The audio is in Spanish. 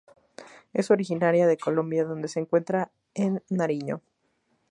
Es originaria de Colombia donde se encuentra en Nariño.